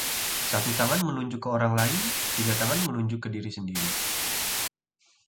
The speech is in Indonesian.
Satu tangan menunjuk ke orang lain, tiga tangan menunjuk ke diri sendiri